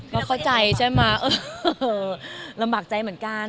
ก็เข้าใจใช่ไหมเออลำบากใจเหมือนกัน